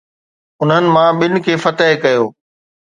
انهن مان ٻن کي فتح ڪيو